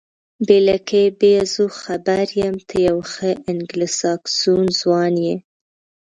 بې لکۍ بیزو، خبر یم، ته یو ښه انګلوساکسون ځوان یې.